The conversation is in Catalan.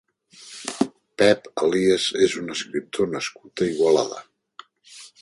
Pep Elías és un escriptor nascut a Igualada.